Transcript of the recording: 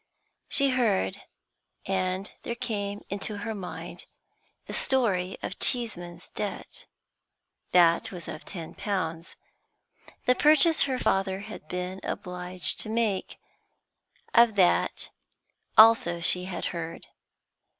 She heard, and there came into her mind the story of Cheeseman's debt. That was of ten pounds. The purchase her father had been obliged to make, of that also she had heard.